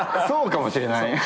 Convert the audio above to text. そうかもしれない。